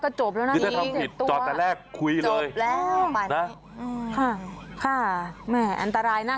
ค่ะค่ะแหม่อันตรายนะ